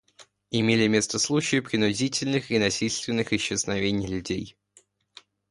Имели место случаи принудительных и насильственных исчезновений людей.